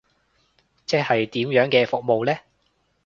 即係點樣嘅服務呢？